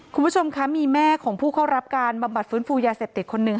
คุณผู้ชมคะมีแม่ของผู้เข้ารับการบำบัดฟื้นฟูยาเสพติดคนหนึ่ง